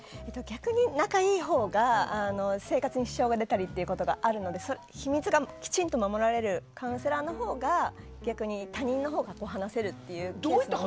逆に、仲いいほうが生活に支障が出たりということがあるので秘密がきちんと守られるカウンセラーのほうが逆に他人のほうが話せるケースも。